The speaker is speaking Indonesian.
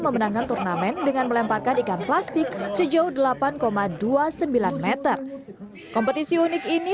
memenangkan turnamen dengan melemparkan ikan plastik sejauh delapan dua puluh sembilan m kompetisi unik ini